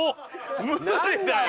無理だよ。